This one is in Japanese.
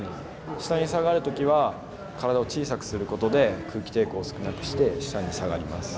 下に下がる時は体を小さくする事で空気抵抗を少なくして下に下がります。